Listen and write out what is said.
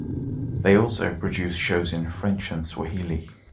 They also produce shows in French and Swahili